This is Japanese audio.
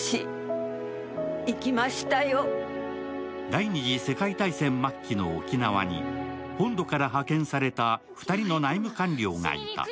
第二次世界大戦末期の沖縄に本土から派遣された２人の内務官僚がいた。